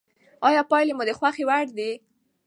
آیا پایلې مو د خوښې وړ دي؟